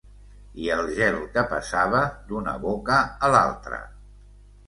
I el gel que passava d'una boca a l'altra...